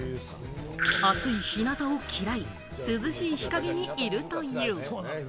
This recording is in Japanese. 暑い日なたをきらい、涼しい日陰にいるという。